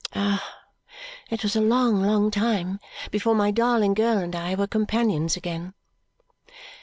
Ah! It was a long, long time before my darling girl and I were companions again.